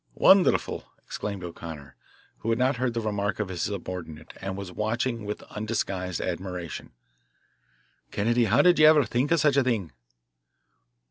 "Wonderful!" exclaimed O'Connor, who had not heard the remark of his subordinate and was watching with undisguised admiration. "Kennedy, how did you ever think of such a thing?"